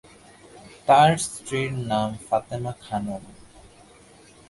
তার স্ত্রীর নাম ফাতেমা খানম।